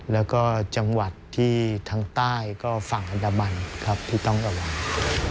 แล้วก็จังหวัดที่ทางใต้ก็ฝั่งอันดามันครับที่ต้องระวัง